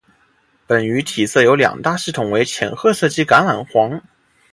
本鱼体色有两大系统为浅褐色及橄榄黄。